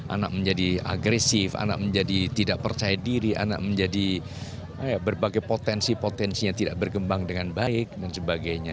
anak menjadi agresif anak menjadi tidak percaya diri anak menjadi berbagai potensi potensinya tidak berkembang dengan baik dan sebagainya